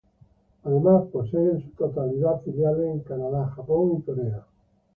Además, posee en su totalidad filiales en Canadá, Japón y Corea.